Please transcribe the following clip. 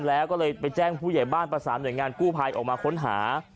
แล้วก็เลยไปแจ้งผู้ใหญ่บ้านประสานหน่วยงานกู้ภัยออกมาค้นหา